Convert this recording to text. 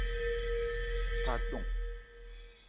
Tha cɔn.